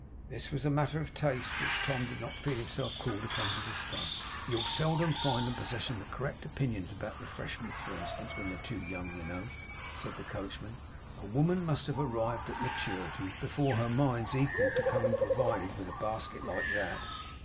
This was a matter of taste, which Tom did not feel himself called upon to discuss. 'You'll seldom find 'em possessing correct opinions about refreshment, for instance, when they're too young, you know,' said the coachman; 'a woman must have arrived at maturity, before her mind's equal to coming provided with a basket like that.